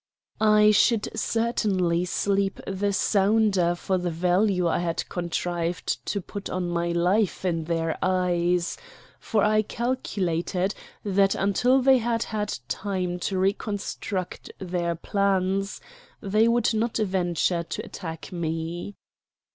I should certainly sleep the sounder for the value I had contrived to put on my life in their eyes; for I calculated that until they had had time to reconstruct their plans they would not venture to attack me.